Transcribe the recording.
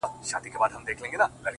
سیاه پوسي ده؛ افغانستان دی؛